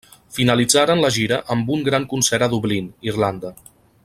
Finalitzaren la gira amb un gran concert a Dublín, Irlanda.